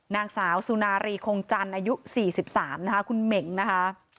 นางสาวสุนารีคงจันทร์อายุ๔๓นะคะคุณเหม็งนะคะ